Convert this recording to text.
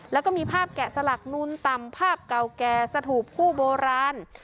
แล้วก็มีภาพแกะสลักนูนต่ำภาพเก่าแก่สถูปคู่โบราณ